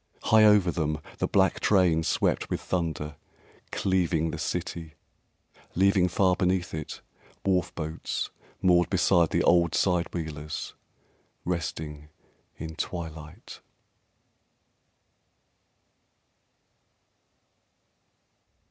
High over them the black train swept with thunder, Cleaving the city, leaving far beneath it Wharf boats moored beside the old side wheelers Resting in twilight.